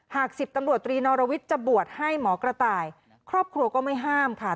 สิบตำรวจตรีนอรวิทย์จะบวชให้หมอกระต่ายครอบครัวก็ไม่ห้ามค่ะ